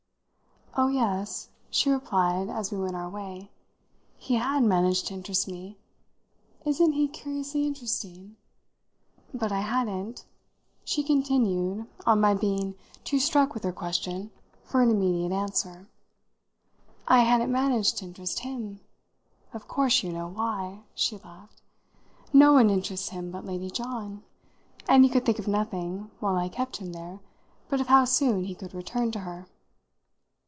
"Oh, yes," she replied as we went our way, "he had managed to interest me. Isn't he curiously interesting? But I hadn't," she continued on my being too struck with her question for an immediate answer "I hadn't managed to interest him. Of course you know why!" she laughed. "No one interests him but Lady John, and he could think of nothing, while I kept him there, but of how soon he could return to her."